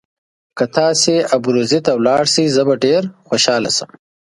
که تاسي ابروزي ته ولاړ شئ زه به ډېر خوشاله شم.